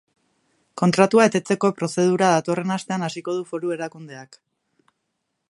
Kontratua eteteko prozedura datorren astean hasiko du foru erakundeak.